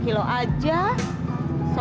sombongnya udah kayak mau buka restoran